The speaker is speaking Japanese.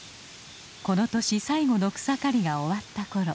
この年最後の草刈りが終わったころ。